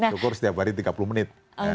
syukur setiap hari tiga puluh menit